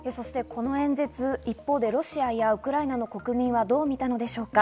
この演説、一方でロシアやウクライナの国民はどう見たのでしょうか？